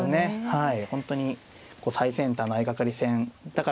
はい。